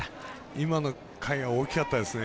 今の回が大きかったですね。